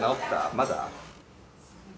まだ？